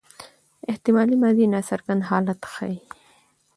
احتمالي ماضي ناڅرګند حالت ښيي.